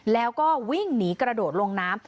แล้วก็วิ่งหนีกระโดดลงน้ำ